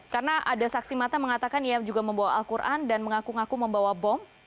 karena ada saksi mata mengatakan ya juga membawa al quran dan mengaku ngaku membawa bom